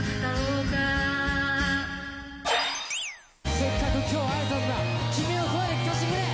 せっかく今日会えたんだ、君の声を聞かせてくれ。